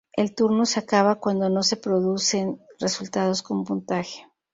El turno se acaba cuando no se producen resultados con puntaje.